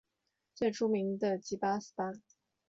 最著名的即八思巴。